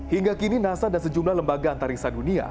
hingga kini nasa dan sejumlah lembaga antariksa dunia